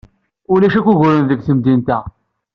Ulac akk uguren deg temdint-a.